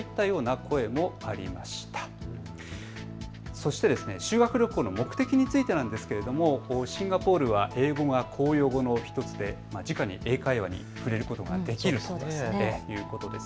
そして修学旅行の目的についてですがシンガポールは英語が公用語の１つでしてじかに英会話に触れることができるということです。